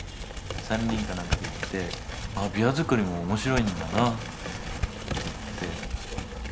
３人かなんかで行ってああ琵琶作りも面白いんだなって言って。